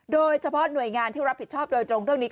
โดยเฉพาะหน่วยงานที่รับผิดชอบโดยตรงเรื่องนี้